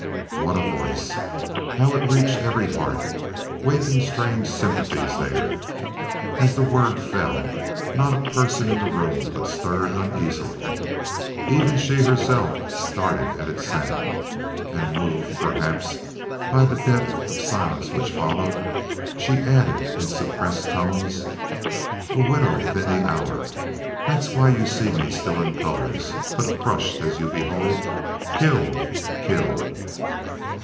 What a voice! how it reached every heart, waking strange sympathies there! As the word fell, not a person in the room but stirred uneasily. Even she herself started at its sound; and moved, perhaps, by the depth of silence which followed, she added in suppressed tones: "A widow within the hour. That's why you see me still in colors, but crushed as you behold killed! killed!"